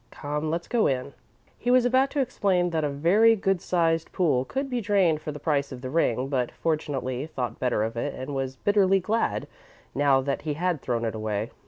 "Come, let's go in." He was about to explain that a very good sized pool could be drained for the price of the ring, but fortunately thought better of it, and was bitterly glad, now, that he had thrown it away.